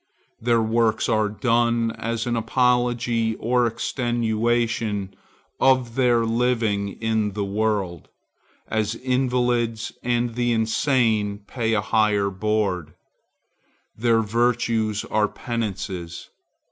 Their works are done as an apology or extenuation of their living in the world,—as invalids and the insane pay a high board. Their virtues are penances.